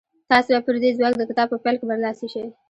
تاسې به پر دې ځواک د کتاب په پيل کې برلاسي شئ.